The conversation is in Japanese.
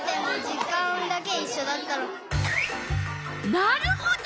なるほど。